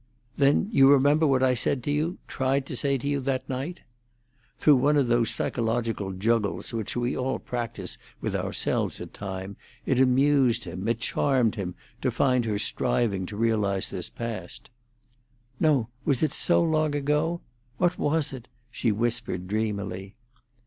"Then you remember what I said to you—tried to say to you—that night?" Through one of those psychological juggles which we all practise with ourselves at times, it amused him, it charmed him, to find her striving to realise this past. "No; it was so long ago? What was it?" she whispered dreamily.